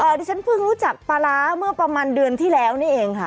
ดิฉันเพิ่งรู้จักปลาร้าเมื่อประมาณเดือนที่แล้วนี่เองค่ะ